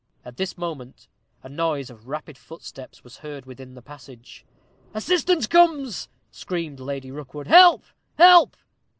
At this moment a noise of rapid footsteps was heard within the passage. "Assistance comes," screamed Lady Rookwood. "Help! help!"